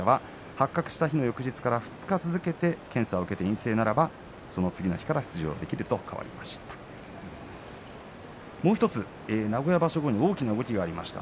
濃厚接触者は発覚した日の翌日から２日続けて検査を受けて陰性ならばその次の日から出場ができるということになりました。